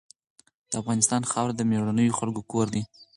د افغانستان خاوره د مېړنیو خلکو کور دی.